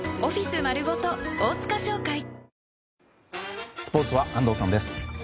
スポーツは安藤さんです。